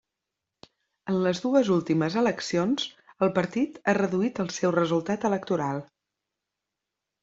En les dues últimes eleccions, el partit ha reduït el seu resultat electoral.